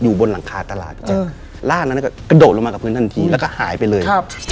อยู่บนหลังคาตลาดนี่แจะอืมดนตรีครับแล้วก็หายไปเลย